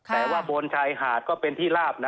แต่ว่าบนชายหาดก็เป็นที่ลาบนะ